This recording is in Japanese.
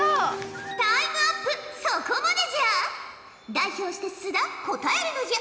代表して須田答えるのじゃ。